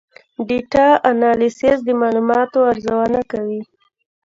ډیټا انالیسز د معلوماتو ارزونه کوي.